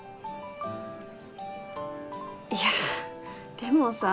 いやでもさ